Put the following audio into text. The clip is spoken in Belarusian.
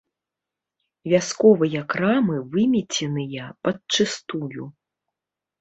Вясковыя крамы вымеценыя падчыстую.